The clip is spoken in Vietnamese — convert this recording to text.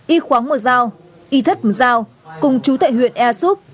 y khoáng mờ giao y thất mờ giao cùng chú tại huyện e súp